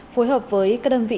phối hợp với các đơn vị